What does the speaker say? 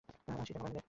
আশি টাকা মাইনে দেয়।